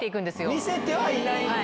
見せてはいないんだ。